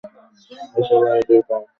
এসব আইডিয়া কার?